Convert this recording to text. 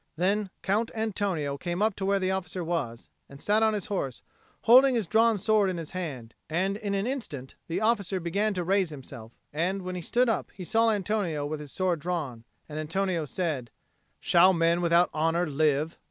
Then Count Antonio came up where the officer was, and sat on his horse, holding his drawn sword in his hand; and in an instant the officer began to raise himself; and, when he stood up, he saw Antonio with his sword drawn. And Antonio said, "Shall men without honour live?"